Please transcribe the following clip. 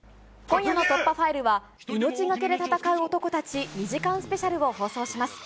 今夜の突破ファイルは、命懸けで戦う男たち２時間スペシャルを放送します。